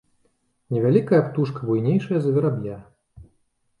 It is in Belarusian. Невялікая птушка буйнейшая за вераб'я.